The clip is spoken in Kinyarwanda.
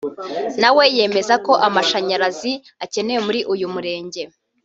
nawe yemeza ko amashanyarazi akenewe muri uyu murenge